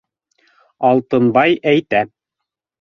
— Алтынбай әйтә.